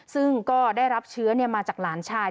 ซึ่งก็ได้รับเชื้อมาจากหลานชาย